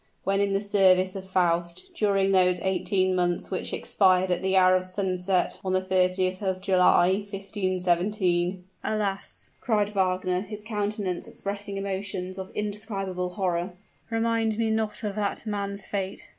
When in the service of Faust during those eighteen months which expired at the hour of sunset on the thirtieth of July, 1517 " "Alas!" cried Wagner, his countenance expressing emotions of indescribable horror; "remind me not of that man's fate!